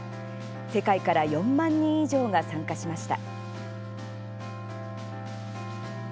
世界から４万人以上が参加しました。